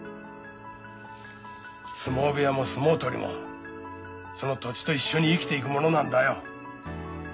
相撲部屋も相撲取りもその土地と一緒に生きていくものなんだよ。